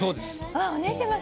お義姉ちゃん